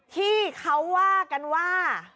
ที่เขาว่ากันว่า